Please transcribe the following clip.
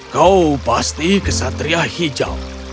kau pasti kesatria hijau